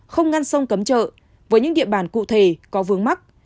không ngăn sông cấm trợ với những địa bàn cụ thể có vướng mắt